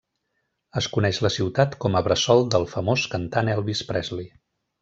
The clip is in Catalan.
Es coneix la ciutat com a bressol del famós cantant Elvis Presley.